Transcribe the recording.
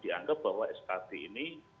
dianggap bahwa skt ini